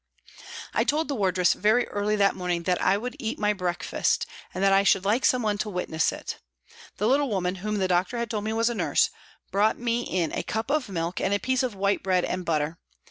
I told the wardress very early that morning that I would eat my breakfast, and that I should like someone to witness it. The little woman, whom the doctor had told me was a nurse, brought me in a cup of milk and a piece of white bread and butter.